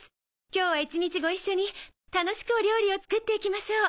今日は一日ご一緒に楽しくお料理を作っていきましょう。